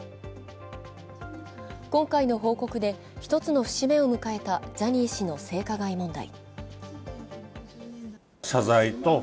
今回の報告で１つの節目を迎えたジャニー氏の性加害問題。